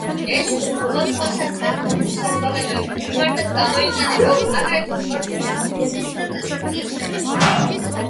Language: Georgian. ეს ხუმრობა სხვა სატრანსპორტო საშუალებების მიმართაც გამოიყენება, აგრეთვე სპორტული ამუნიციის და ტანსაცმლის მიმართ.